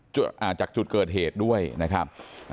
จากจุดเกิดเหตุด้วยนะครับ